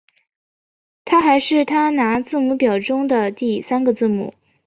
它还是它拿字母表中的第三个字母。